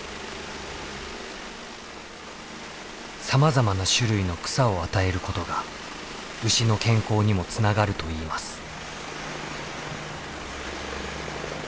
さまざまな種類の草を与えることが牛の健康にもつながるといいます。